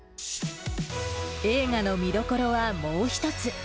映画の見どころはもう一つ。